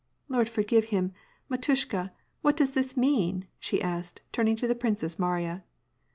" Lord forgive him f Mdtushka^ what does this mean ?" she asked, turning to the Princess Mariya.